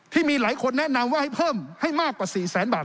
ที่มีหลายคนแนะนำว่าให้เพิ่มให้มากกว่า๔แสนบาท